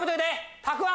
たたくあん？